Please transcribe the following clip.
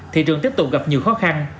thị trường tiếp tục gặp nhiều khó khăn